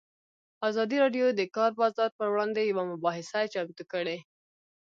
ازادي راډیو د د کار بازار پر وړاندې یوه مباحثه چمتو کړې.